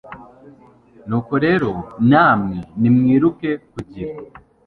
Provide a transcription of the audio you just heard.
Nuko rero namwe nimwiruke kugira